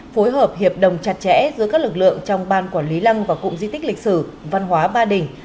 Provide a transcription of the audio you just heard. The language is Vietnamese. phối hợp hiệp đồng chặt chẽ giữa các lực lượng trong ban quản lý lăng và cụm di tích lịch sử văn hóa ba đình